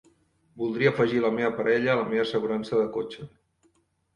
Voldria afegir a la meva parella a la meva assegurança de cotxe.